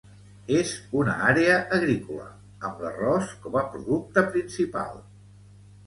És una àrea agrícola, amb l'arròs com a producte principal.